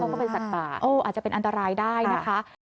ก็เป็นสัตว์ป่าอาจจะเป็นอันตรายได้นะคะ